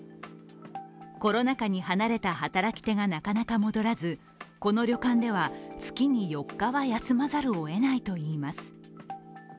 コロナ禍に離れた働き手がなかなか戻らずこの旅館では月に４日は休まざるをえないといいます。